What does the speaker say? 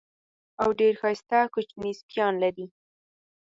او ډېر ښایسته کوچني سپیان لري.